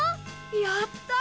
やった！